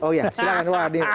oh iya silahkan pak adik